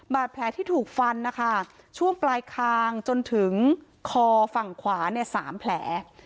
บาดแผลที่ถูกฟันนะคะช่วงปลายคางจนถึงคอฝั่งขวาเนี่ย๓แผล